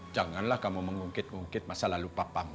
janganlah kamu mengungkit ungkit masa lalu papamu